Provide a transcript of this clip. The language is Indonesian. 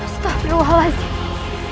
setah beruah wajib